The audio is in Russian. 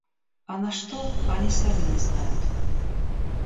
А на что — они сами не знают.